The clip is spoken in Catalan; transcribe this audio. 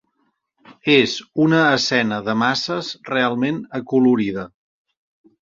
És una escena de masses realment acolorida.